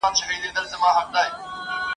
د شته من مړی یې تل غوښتی له خدایه ..